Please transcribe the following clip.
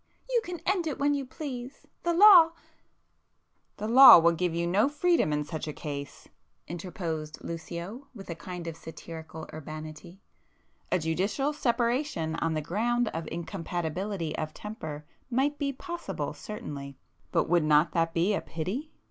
You can end it when you please,—the law ..." "The law will give you no freedom in such a case,"—interposed Lucio with a kind of satirical urbanity—"A judicial separation on the ground of incompatibility of temper might be possible certainly—but would not that be a pity?